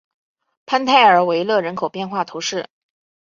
潘泰尔维勒人口变化图示